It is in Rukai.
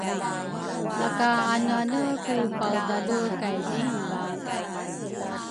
Laka aneane ku paedhale kay dinva?